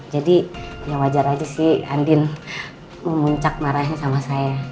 jadi ya wajar aja sih andien memuncak marahnya sama saya